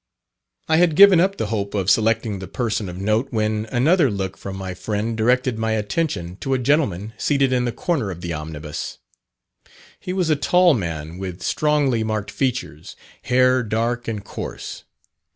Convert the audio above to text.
I had given up the hope of selecting the person of note when another look from my friend directed my attention to a gentlemen seated in the corner of the omnibus. He was a tall man with strongly marked features, hair dark and coarse.